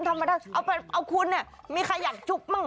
ดนทร์หนึ่งคุณเนี่ยมีใครอยากจุ๊บมั้ง